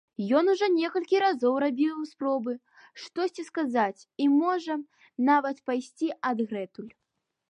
Ён ужо некалькі разоў рабіў спробы штосьці сказаць і, можа, нават пайсці адгэтуль.